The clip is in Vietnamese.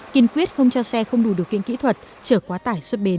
kiên quyết không cho xe không đủ điều kiện kỹ thuật chở quá tải xuất bến